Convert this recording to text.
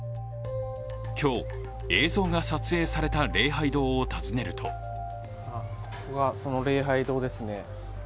今日、映像が撮影された礼拝堂を訪ねるとここがその礼拝堂ですね。